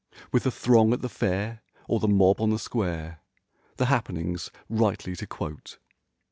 With the throng at the fair, or the mob on the. square. The happenings rightly to quote.